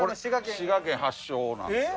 滋賀県発祥なんですよ。